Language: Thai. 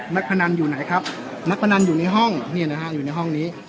พนันอยู่ไหนครับนักพนันอยู่ในห้องนี่นะฮะอยู่ในห้องนี้